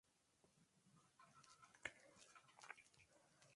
Actualmente corre para el equipo Bahrain Merida.